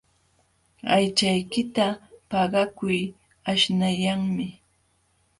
Aychaykita paqakuy aśhnayanmi.